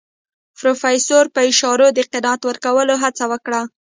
پروفيسر په اشارو د قناعت ورکولو هڅه وکړه.